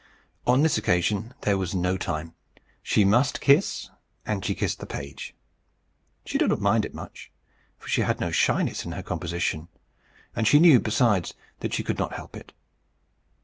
On this occasion there was no time. She must kiss and she kissed the page. She did not mind it much; for she had no shyness in her composition; and she knew, besides, that she could not help it.